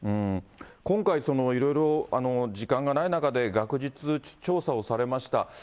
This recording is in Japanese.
今回いろいろ時間がない中で、学術調査をされました。